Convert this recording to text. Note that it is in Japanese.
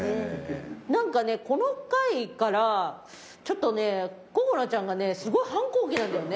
なんかねこの回からちょっとねここなちゃんがねすごい反抗期なんだよね。